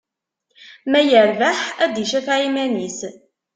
Ma yerbeḥ, ad d-icafeɛ iman-is.